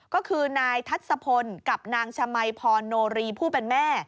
ก็คือนายทัศพลกับนางชมัยพรโนรีผู้เป็นแม่